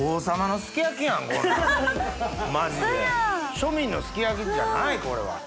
庶民のすき焼きじゃないこれは。